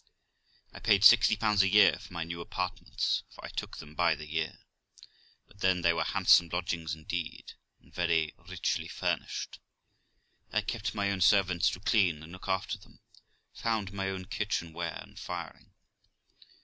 I paid 60 a year for my new apartments, for I took them by the year ; but then they were handsome lodgings indeed, and very richly furnished. I kept my own servants to clean and look after them, found my own kitchen ware and firing.